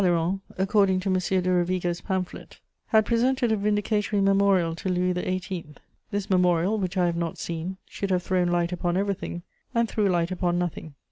de Talleyrand, according to M. de Rovigo's pamphlet, had presented a vindicatory memorial to Louis XVIII.; this memorial, which I have not seen, should have thrown light upon everything, and threw light upon nothing.